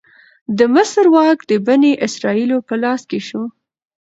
د مصر واک د بنی اسرائیلو په لاس کې شو.